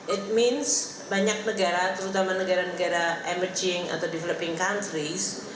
it means banyak negara terutama negara negara emerging atau developing countries